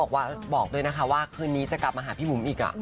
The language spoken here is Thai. บอกด้วยนะคะว่าคืนนี้จะกลับมาหาพี่บุ๋มอีก